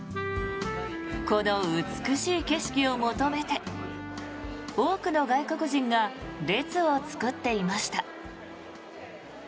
この美しい景色を求めて多くの外国人が列を作っていました。